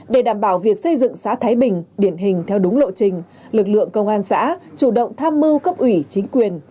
để đảm bảo việc xây dựng xã thái bình điển hình theo đúng lộ trình lực lượng công an xã chủ động tham mưu cấp ủy chính quyền